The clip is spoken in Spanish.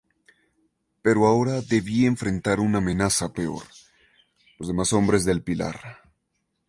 Pero ahora debía enfrentar una amenaza peor, los demás Hombres del Pilar.